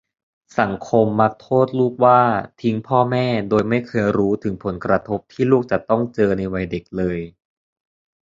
สังคมมักโทษลูกว่าทิ้งพ่อแม่ โดยไม่เคยรู้ถึงผลกระทบที่ลูกจะต้องเจอในวัยเด็กเลย